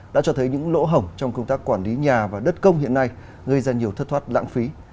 đã cho thấy những lỗ hổng trong công tác quản lý nhà và đất công hiện nay gây ra nhiều thất thoát lãng phí